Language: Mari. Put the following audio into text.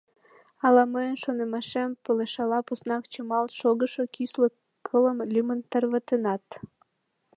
Ала мыйын шонымашем палышыла, поснак чымалт шогышо кӱсле кылым лӱмын тарватенат.